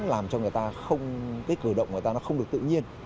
làm cho người ta không kích cử động người ta nó không được tự nhiên